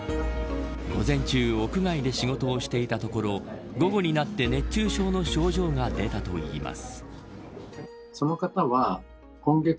午前中屋外で仕事をしていたところ午後になって熱中症の症状が出たといいます。